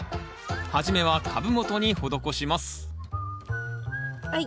初めは株元に施しますはい。